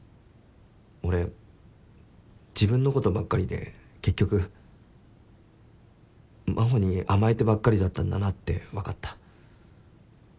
俺自分のことばっかりで結局真帆に甘えてばっかりだったんだなって分かった。